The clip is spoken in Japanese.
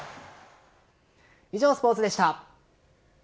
以上、スポーツでした。